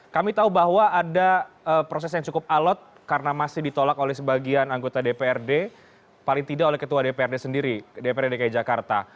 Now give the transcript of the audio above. kami tahu bahwa ada proses yang cukup alot karena masih ditolak oleh sebagian anggota dprd paling tidak oleh ketua dprd sendiri dprd dki jakarta